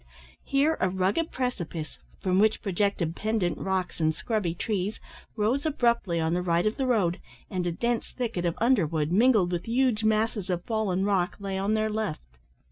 Here a rugged precipice, from which projected pendent rocks and scrubby trees, rose abruptly on the right of the road, and a dense thicket of underwood, mingled with huge masses of fallen rock, lay on their left.